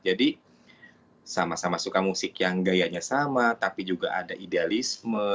jadi sama sama suka musik yang gayanya sama tapi juga ada idealisme